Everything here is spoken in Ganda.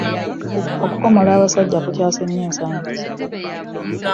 Okukomola abasajja kukyase nnyo ensangi zino.